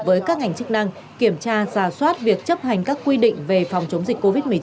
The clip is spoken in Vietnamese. với các ngành chức năng kiểm tra giả soát việc chấp hành các quy định về phòng chống dịch covid một mươi chín